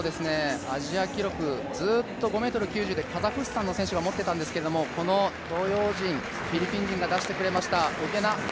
アジア記録、ずっと５ｍ９０分でカザフスタンの選手が持っていたんですけど、この東洋人、フィリピン人が出してくれました。